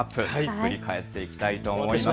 振り返っていきたいと思います。